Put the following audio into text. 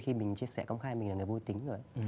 khi mình chia sẻ công khai mình là người vô tính rồi